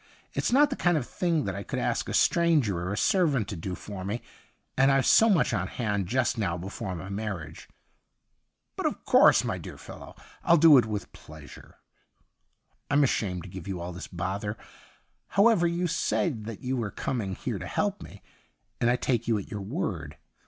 It's not the kind of thing that I could ask a stranger or a servant to do for me, and I've so much on hand just now before my mar riage ' 145 H THE UNDYING THING 'But of course, my dear fellow, I'll do it with pleasure.' ' I'm ashamed to give you all this bother. However, you said that you were coming here to help me, and I take you at your word.